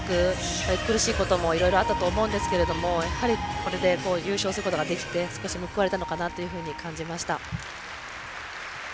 苦しいこともいろいろあったと思うんですけどやはりこれで優勝することができて少し報われたのかなというふうに感じました。